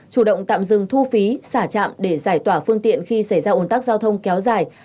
chủ động tạm dừng thu phí xả trạm để giải tỏa phương tiện khi xảy ra ồn tắc giao thông kéo dài